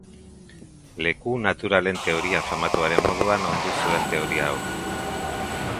Leku naturalen teoria famatuaren moduan ondu zuen teoria hau.